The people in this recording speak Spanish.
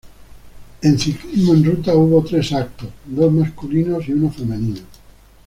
En ciclismo en ruta hubo tres eventos: dos masculinos y uno femenino.